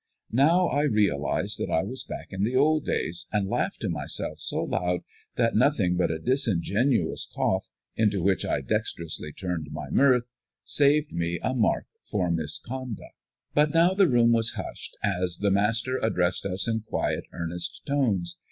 Now I realized that I was back in the old days, and laughed to myself so loud that nothing but a disingenuous cough, into which I dexterously turned my mirth, saved me a mark for misconduct. But now the room was hushed, as the master addressed us in quiet, earnest tones.